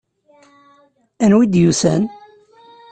Anwa i d-yusan?